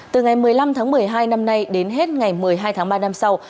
từ ngày một mươi năm tháng một mươi hai năm nay đến hết ngày một mươi hai tháng ba năm sau